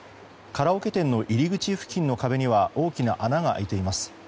カラオケ店の入り口付近の壁には大きな穴が開いています。